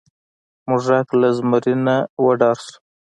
موږک له زمري ونه ډار شو.